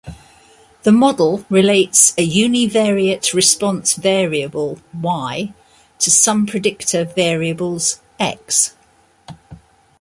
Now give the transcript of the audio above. The model relates a univariate response variable, "Y", to some predictor variables, "x".